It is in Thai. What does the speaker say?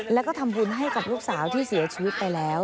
แล้วก็ทำบุญให้กับลูกสาวที่เสียชีวิตไปแล้ว